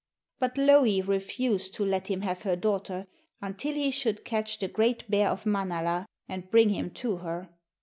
But Louhi refused to let him have her daughter until he should catch the great bear of Manala, and bring him to her.